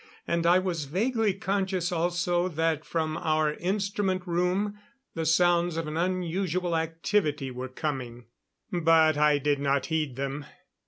And I was vaguely conscious also that from our instrument room the sounds of an unusual activity were coming. But I did not heed them.